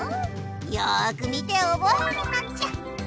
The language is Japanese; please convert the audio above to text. よく見ておぼえるのじゃ。